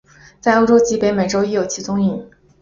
在欧洲及北美洲亦有其踪影。